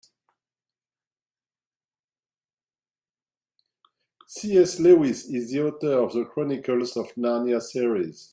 C.S. Lewis is the author of The Chronicles of Narnia series.